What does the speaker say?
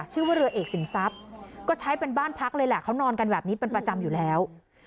ชื่อว่าเรือเอกสินทรัพย์ก็ใช้เป็นบ้านพักเลยแหละเขานอนกันแบบนี้เป็นประจำอยู่แล้ว